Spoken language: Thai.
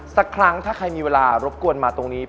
สักครั้งถ้าใครมีเวลารบกวนมาตรงนี้